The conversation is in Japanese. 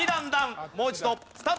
もう一度スタート。